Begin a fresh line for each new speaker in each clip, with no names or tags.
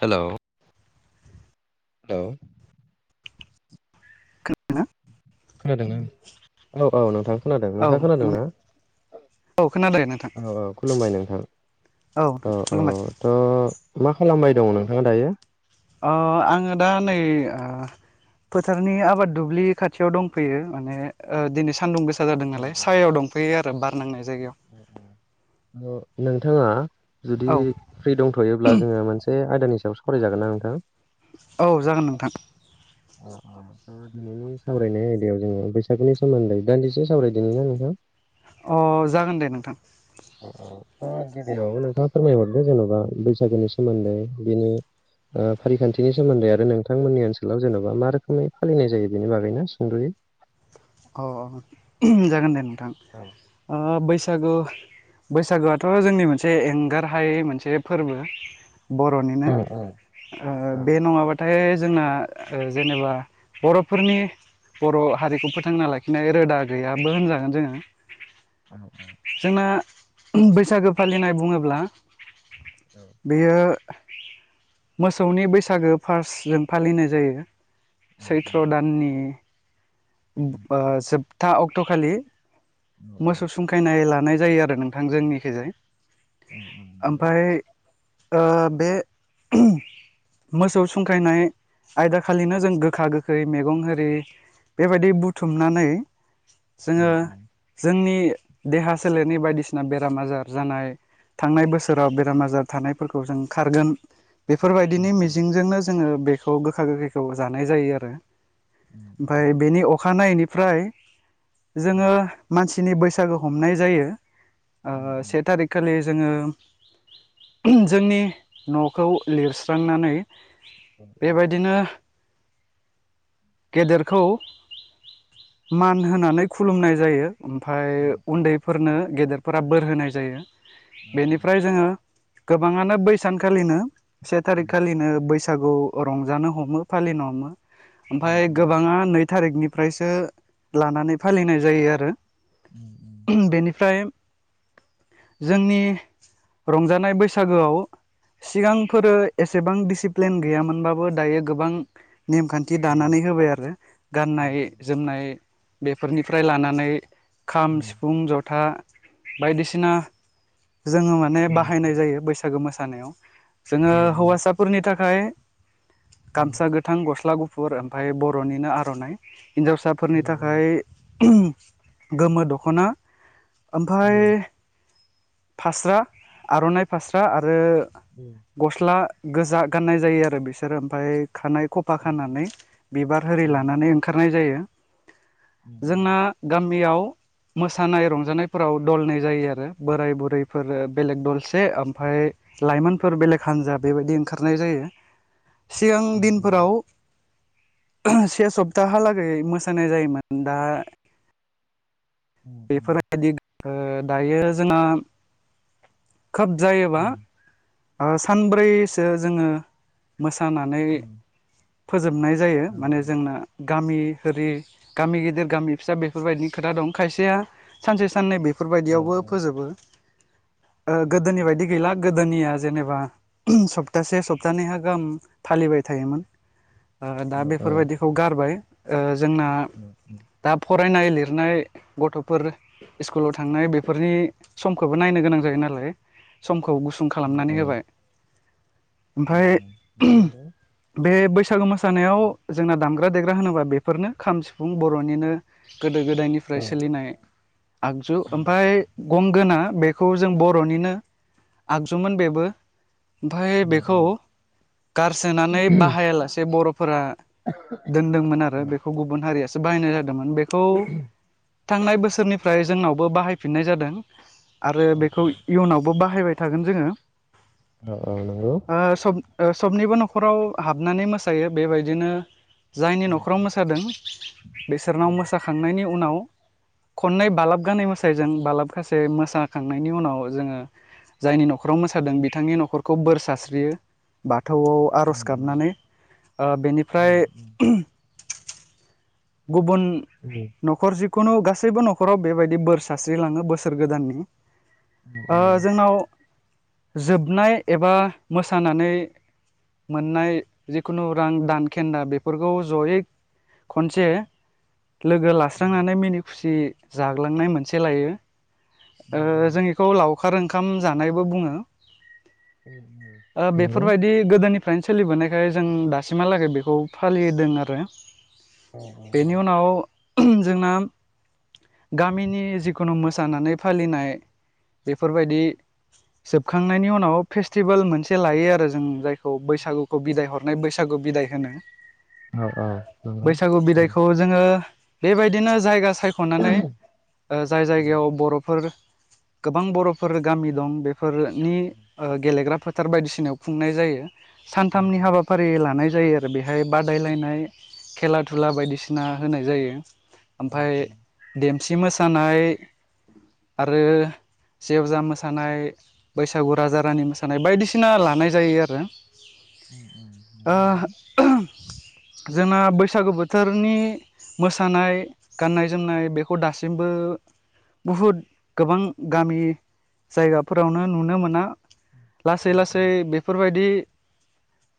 Hello hello.
खोनादों ना?
खोनादोंना औ औ नोंथां खोनादों
औ
नोंथाङा खोनादों ना?
खुलुमबाय औ खोनादों नोंथां
औ औ खुलुमबाय नोंथां औ औ थ' मा खालामबाय दं नोंथाङा दायो?
ओ आङो दा नै आ फोथारनि आबाद दुब्लि खाथियाव दंफैयो माने दिनै सानदुं गोसा जादों
औ
नालाय
औ
सायाव दंफैयो आरो बारनांनाय
औ नोंथाङा।
औ
जुदि फ्रि दंथ'योब्ला जोङो मोनसे आयदानि सायाव सरायजागोन ना नोंथां?
औ जागोन नोंथां।
अ अ। नोंनि सावरायनाय आयदायाव जोङो बैसागुनि सोमोनदै दानदिसे सावरायदोनिना नोंथां?
अ जागोन दे नोंथां।
गिबिनाव नोंथाङा फोरमायहरदो जेन'बा बैसागोनि सोमोनदै बिनि ओ फारिखानथिनि सोमोनदै आरो नोंथांमोननि ओनसोलाव जेन'बा मा रोखोमै फालिनाय जायो बेनि बागैना सुंद'यै [inaudible]
अ जागोन दे नोंथां
औ
ओ बैसागु बैसागुआथ' जोंनि मोनसे एंगारहायै मोनसे फोरबो
औ नंगौ औ
बर'निनो ओ बे नङाबाथाय जोंना जेनेबा बर'फोरनि बर' हारिखौ फो थांना लाखिनाय रोदा गैयाबो होनजागोन जोङो जोंना बैसागो फालिनाय बुङोब्ला बेयो मोसौनि बैसागो फार्स्ट जों फालिनाय जायो
उम
सैथ्र' दाननि ओ जोबथा अक्ट' खालि
उम
मोसौ सुंखायनाय ला नाय जायो आरो नोंथां जोंनिखिजाय
[inaudible]
ओ बे मोसौ संखायनाय आयदा खालिनो जों गोखा गोखै मैगं आरि बेबायदि दै बुथुमनानै जोङो जोंनि देहा सोलेरनि बायदिसिना बेराम आजार जानाय थांनाय बोसोराव बेराम आजार थानायफोरखौ जों खारगोन
उम औ
बेफोरबायदिनि मिजिंजोंनो जोङो बेखौ गोखा गोखैखौ जानाय जायो आरो ओमफ्राय बेनि अखानायनिफ्राय जोङो मानसि नि बैसागु हनाय जायो ओ बे थारिग खालि जोङो जोंनि न'खौ लिरस्रांनानै बेबायदिनो गेदेरखौ मान होनानै खुलुमनाय जायो ओमफ्राय उनदैफोरनो गेदेर फोरा बोर होनाय जायो बेनिफ्राय जोङो गोबाङानो बै सानखालिनो से थारिख खालिनो बैसागु रंजानो हमो फालिनो हमो ओमफफ्राय गोबाङा नै थारिखनिफ्रायसो लानानै फालिनाय जायो आरो बेनिफ्राय
[inaudible]
जोंनि रंजानाय बैसागोआव सिगांफोरो एसेबां डिसिप्लिन गैयामोनबाबो दायो गोबां नेमखान्थि दानानै होबाय आरो गाननाय जोमनाय बेफोरनिफ्राय लानानै खाम सिफुं जथा बायदिसिना जोङो माने बाहायनाय जायो बैसागो मोसानायाव जोङो हौवासाफोरनि थाखाय गामसा गोथां गस्ला गु फुर ओमफ्राय बर'निनो आर'नाइ हिन्जावसाफोरनि थाखाय गोमो दख'ना ओमफ्राय फास्रा आर'नाइ फास्रा आरो गस्ला गोजा गाननाय जायो आरो बिसोरो ओमफफ्राय खानाय खफा खानानै बिबार आरि लानानै ओंखार नाय जायो जोंना गामियाव मोसानाय रंजानायफोराव दलनै जायो आरो बोराय बुरैफोर बेलेग दलसे ओमफ्राय लाइमोनफोर बेलेग हान्जा बेबायदि ओंखारनाय जायो
[inaudible]
सिगां दिनफोराव से सब दाहालागै मोसानाय जायोमोन दा बेफोरबायदि ओ दायो जोंना खोब जायोबा ओ सानब्रैसो जोङो मोसानानै जोबनाय जायो माने जोंना गामि ओरि गामि गिदिर गामि फिसा बेफोरबायदिनि खोथा दं खायसेया सानसे साननै बे फोरबायदियावबो फोजोबो गोदोनि बायदि गैला गोदोनिया जेनेबा सप्तासे सप्तानैैहा गाहाम फालिबाय थायोमोन। ओ दा बेफोरबायदिखौ गारबाय ओ जोंना दा फर फरायनाय लिरनाय गथ'फोर स्कुलाव थांनाय बेफोरनि समखौबो नायनो गोनां जायो नालाय सम खौ गुसुं खालामनानै होबाय ओमफाय बे बैसा बैसागु मोसानायाव जोंना दामग्रा देग्रा होनोबा बेफोरनो खाम बुं बर'निनो गोदो गोदायनिफ्राय सोलिनाय आगजु ओमफ्राय गंगोना बेखौ जों बर'निनो आगजुमोन बेबो ओमफ्राय बेखौ गारसोनानै बाहायालासे बर'फोरा दोनदोंमोन आरो बेखौ गुबुन हारियासो बाहायनाय जादोंमोन बेखौ। थांनाय बोसोरनिफ्राय जोंनावबो बाहायफिननाय जादों आरो बेखौ इयुनावबो बाहाय बाहायबाय थागोन जोङो
औ औ नंगौ।
ओ सब ओ सबनिबो न'खराव हाबनानै मोसायो बेबायदिनो जायनि न'खराव मोसादों बिसोरनाव मोसाखांनायनि उनाव खननै बालाब गानै मोसायजों बालाबगासे मोसाखांनायनि उनाव जोङो जायनि न'खराव मोसादों बिथांनि न'खरखौ बोर सास्रियो बाथ गो थौआव आर'ज गाबनानै ओ बेनिफ्राय गुबुन
उम
न'खर जि खुनु गासैबो नखराव बेबायदि बोर सारस्रिलाङो बोसोर गोदाननि जोंनाव जोबनाय एबा मोसानानै मोननाय जिखुनु रां दानखेन्दा बे फोरफोरखौ जयै खनसे लोगो लास्रांनानै मिनि खुसि जाग्लांनाय मोनसे लायो जों बेखौ लाव अखार ओंखाम जानायबो बुङो बेफोरबायदि गोदोनि फ्रायनो सोलिबोनायखाय जों दासिमहालागै बेखौ फालिदों आरो बेनि उनाव जोंङा गामिनि जिखुनु मोसानानै फालिनाय बेफोरबायदि जोबखांनायनि उनाव फेस्टिभेल मोनसे लायो आरो जों जायखौ बै सागुखौ बिदाय हरनाय बैसागु बिदाय होनो।
औ
बैसागु बिदायखौ जोङो बेबायदिनो जायगा सायख'नानै जाय जायगायाव बर'फोर
[inaudible]
गोबां बर'फोर गामि दं बेफोरनि गेलेग्रा फोथार बायदिसिनायाव खुंनाय जायो। सानथामनि हाबाफारि लानाय जायो आरो बे बेहाय बादायलायनाय खेला दुला बायदिसिना होनाय जायो। ओमफाय देमसि मोसानाय आरो जेवजा मोसानाय बैसागु राजा रानि मोसानाय बायदिसिना लानाय जायो आरो
उम
ओ जोंना बैसागु बोथोरनि मोसानाय गाननाय जोमनाय बेखौ दासिमबो बुहुद गोबां गामि जायगाफोरावनो नुनो मोना लासै लासै बेफोरबायदि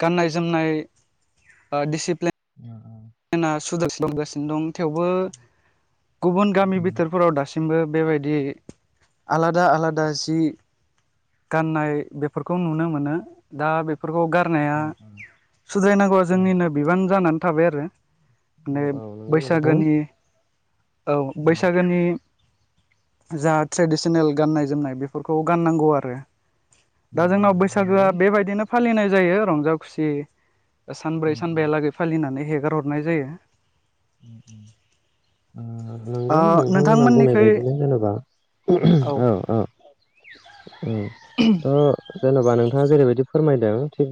गाननाय जोमनाय दिडिसिप्लिन ना सुदागासिनो दं थेवबो गुबुन गामि बिथोरफोराव दासिम मबो बेबायदि आलादा आलादा जि गाननाय बेफोरखौ नुनो मोनो दा बे बेफोरखौ गारनाया सुद्रायनांगौआ जोंनिनो बिबान जानानै थाबाय आरो माने
औ नंगौ नोंथां ओ
बैसागोनि औ बैसागोनि जा ट्रेडिसनेल गाननाय जोमनाय बेफोरखौ गाननांगौ आरो दा जोंनाव बैसागोआ बेबायदिनो फालिनाय जायो रंजा खुसि सानब्रै सानबयालागै फालिनानै हेगार हरनाय जायो। ओ
नंगौ नोंथांमोना बुंनाय
नोंथांमोननिखै
बायदिनो जेनेबा औ औ औ ओ जेनेबा नों- थाङा जेरैबायदि फोरमायदों थिग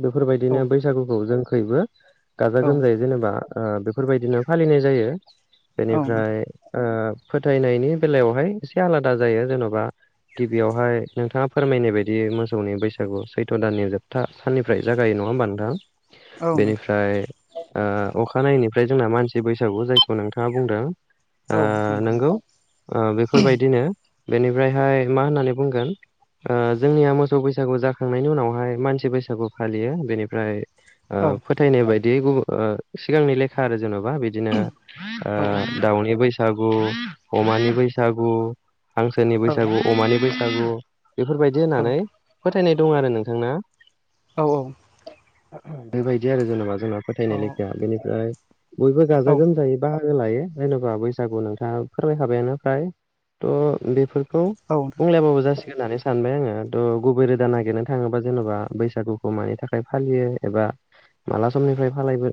औ
बेफोरबायदिनो बैसागुखौ जोंखैबो गाजा
औ
गोमजायै जेनेबा बेफोरबायदिनो फालिनाय जायो
औ
बेनिफ्राय
नोंथां
फोथायनायनि बेलायावहाय एसे आलादा जायो जेन'बा गिबियावहाय नोंथाङा फोरमायनाय बायदि मोसौनि बैसागु सैथ' दाननि जोबथा साननिफ्राय जागायो नङा नङा होमबा नोंथां
औ नोंथां
बेनिफ्राय अखानायैनिफ्राय‌ जोंना मानसि बैसागु जायखौ नोंथाङा बुंदों ओ
औ नंगौ नोंथां
नोंगौ बेफोरबायदिनो बेनिफ्रायहाय मा होननानै बुंगोन ओ जोंनिया मोसौ बैसागु जाखांनायनि उनावहाय मानसि बैसागु फालियो बेनिफ्राय
औ
फोथायनाय बायदि गुबुन सिगांनि लेखा आरो जेन'बा बिदिनो ओ
औ औ नोंथां
दाउनि बैसागु अमानि बैसागु हांसोनि
औ
बैसागु अमानि बैसागु बेफोरबायदि होननानै फोथायनाय दं आरो नोंथां ना
औ औ
बेबायदि आरो जेनेबा जोंना फोथायनाय लेखाया बेनिफ्राय बयबो गाजा गोमजायै बाहागो लायो जेन'बा बैसागु नोंथाङा फोरमायखाबायानो फ्राय थ' बेफोर खौ
औ
बुंलायाबाबो जासिगोन होननानै सानबाय आङो थह गुबै रोदा नागिरनो थाङोबा जेन'बा बैसागुखौ मानि थाखाय फालियो एबा माला समनिफ्राय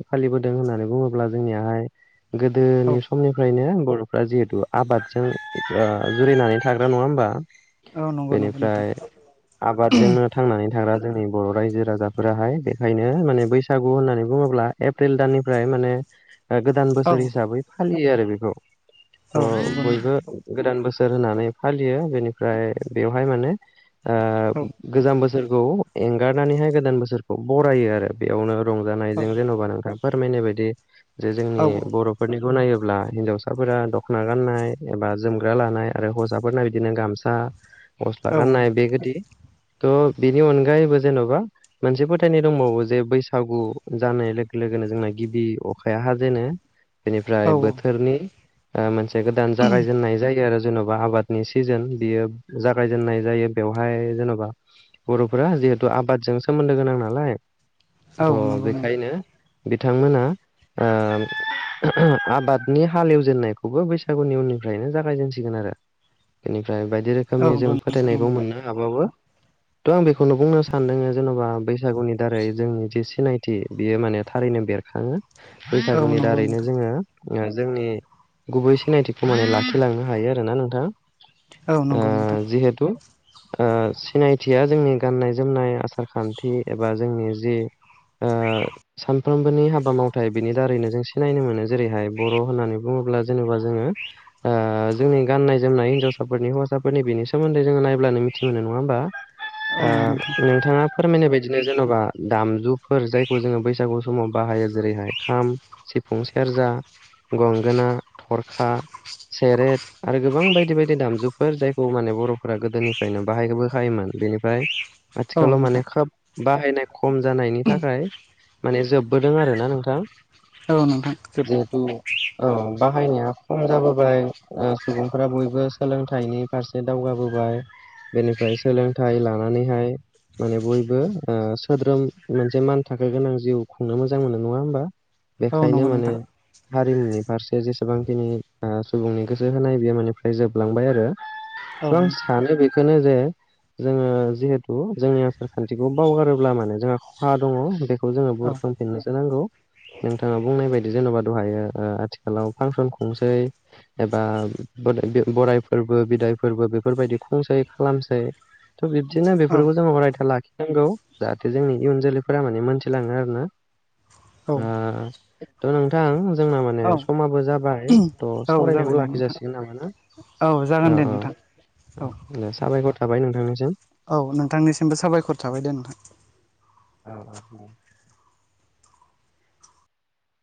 फालिबोदों होननानै बुङोब्ला जोंनियाहाय
औ
गोदोनि समनिफ्रायनो बर'फ्रा जिहेथु आबादजों जुरिनानै थाग्रा नङा होमबा
औ नंगौ नंगौ नोंथां
बेनिफ्राय आबादजोंनो थांनानै थाग्रा जोंनि बर' रायजो राजाफोराहाय बेखायनो माने बैसागु होननानै बुङोब्ला एप्रिल दाननिफ्राय माने गोदान
औ
बोसोर हिसाबै फालियो आरो बेखौ
औ
थ
नंगौ नोंथां
बयबो गोदान बोसोर सोर होननानै फालियो बेनिफ्राय बेवहाय माने
औ
ओ गोजाम बोस बोसोरखौ एंगारनानैहाय गोदान बोसोरखौ बरायो आरो बेयावनो रंजानायजों
औ
जेन'बा नोंथां फोरमायनाय बायदि जे
औ
जोंनि बर' फोरनिखौ नायोब ब्ला हिन्जावसाफोरा दख'ना गाननाय एबा जोमग्रा लानाय आरो हौवसाफोरना बिदिनो गामसा गस्ला गाननाय बेगोदि थ' बेनि अनगायैबो जेन'बा मोनसे फोथायनाय दंबावो जे बैसागु जानाय लोगो लो गोनो जोंना गिबि अ अखाया हाजेनो
औ
बेनिफ्राय बोथोरनि मोनसे गोदान जागायजेननाय जायो आरो जेन'बा आबादनि सिजोन बियो जागायजेननाय जायो बेवहाय जेन'बा बर'फोरा जिहेथु आबादजों सोमोन्दो गोनां नालाय
औ
थ'
औ नंगौ नोंथां
बेखायनो बिथांमोना आबादनि हालेवजेननायखौबो बैसागुनि उननिफ्रायनो जागायजेनसिगोन आरो बेनिफ्राय बायदि
औ
रोखोमनि जों
नंगौ नोंथां
फोथायनायखौ
नंगौ
मोनो हाबाबो थ' आं बेखौनो बुंनो सानदों जेन'बा बैसागुनि दारै जोंनि जि सिनायथि बियो माने थारैनो बेर बेरखाङो
औ
बैसागुनि
नंगौ
दारैनो
नोंथां
जोङो जोंनि गुबै सिनायथिखौ माने लाखिलांनो हायो आरोना नोंथां
औ
ओ
नंगौ नोंथां
जिहेथु ओ सिनायथिया जोंनि गान्नाय जोमनाय आसार खान्थि एबा जोंनि जि आ सानफ्रोमबोनि हाबा माव नाथाय बिनि दारैनो जों सिनायनो मोनो जेरैहाय बर' होननानै बुङोब्ला जेनेबा जोङो ओ जोंनि गाननाय जोमनाय हिन्जावसाफोरनि हौवासाफोरनि बेनि सोमोन्दै जोङो नायब्लानो मिथि मोनो नङा होमबा
औ नंगौ नोंथां
नोंथाङा फोरमायनाय बायदिनो जेन'बा दामजुफोर जायखौ जोङो बैसागु समाव बाहायो जेरैहाय खाम सिफुं सेरजा गंगोना थरखा सेरेट आरो गोबां बायदि बायदि दामजुफोर जायखौ माने बर'फोरा गोदोनिफ्रायनो बाहायबोखायोमोन बेनिफ्राय
औ
आथिखालाव
नोंथां
माने खप बाहायनाय खम जानायनि थाखाय माने जोबबोदों आर ना नोंथाङा।
औ नोंथां
औ बाहायनाया खम जाबोबाय सुबुंफोरा बयबो सोलोंथाइनि फारसे दावगाबो बेनिफ्राय सोलोंथाइ लानानैहाय माने बयबो सोद्रोम मोनसे मान थाखो गोनां जिउ खुंनो मोजां मोनो नङा होमबा
औ
बेखायनो
नंगौ
माने
नोंथां
हारिमुनि फारसे जेसेबांखिनि सुबुंनि गोसो होनाय बेयो मनिफ्राय जोबलांबाय आरो
औ
आं
नोंथां
सानो बेखौनो जे जोङो जिहेतु जोंनि आसार खान्थिखौ बावगारोब्ला माने जोंहा खहा दङ बे खौ जोङो
औ
बुरोखुमफिननोसो नांगौ नोंथाङा बुंनाय बायदि जेन'बा दहायो आथिखालाव फांसन खुंसै एबा बरोराय फोरबो बिदाय फोरबो बेफोरबायदि खंसै खालामसै थ' बिब्दिनो बेफोरखौ जोङो फरायथा लाखियो नोंगौ जाहाथे जोंनि इयुन जोलैफोरा माने मोनथिलाङो आरो ना थ नोंथां जोंना माने
औ
समाबो जाबाय थ'
औ औ जाबाय
सावरायनायखौ
दे
लाखि
नोंथां
जासिगोन नामा ना
जागोन
औ
दे नोंथां
औ दे साबायखर थाबाय नोंथांनिसिम
औ नोंथांनिसिमबो साबायखर थाबाय दे नोंथां।
औ औ।